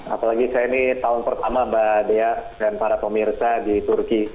apalagi saya ini tahun pertama mbak dea dan para pemirsa di turki